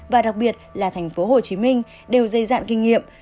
và đặc biệt là thành phố hồ chí minh đều dây dạn kinh nghiệm